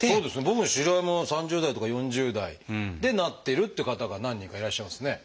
僕の知り合いも３０代とか４０代でなってるって方が何人かいらっしゃいますね。